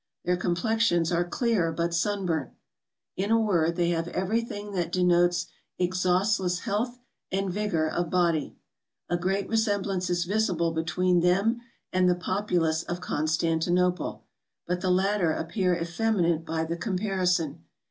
Their complexions are clear, but sunburnt. In a word, they have every¬ thin"' that denotes exhaustless health and vigour of O O body. A great resemblance is visible between them and the populace of Constantinople; but the latter appear effeminate by the comparison.